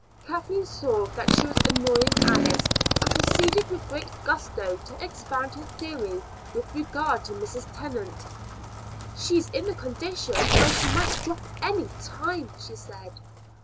Kathleen saw that she was annoying Alice, and proceeded with great gusto to expand her theory with regard to Mrs. Tennant. "She's in the condition when she might drop any time," she said.